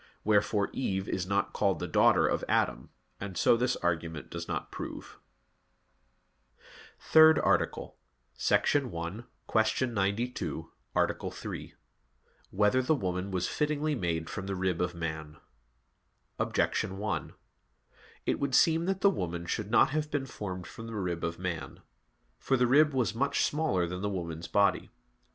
Wherefore Eve is not called the daughter of Adam; and so this argument does not prove. _______________________ THIRD ARTICLE [I, Q. 92, Art. 3] Whether the Woman Was Fittingly Made from the Rib of Man? Objection 1: It would seem that the woman should not have been formed from the rib of man. For the rib was much smaller than the woman's body.